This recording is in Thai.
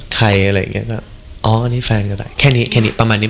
อะไรอย่างเงี้ยก็อ๋ออันนี้แฟนก็ได้แค่นี้แค่นี้ประมาณนี้